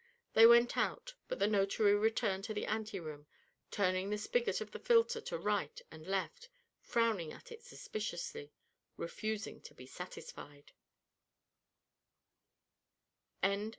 They went out, but the notary returned to the anteroom, turning the spigot of the filter to right and left, frowning at it suspiciously, refusing to be satisfied.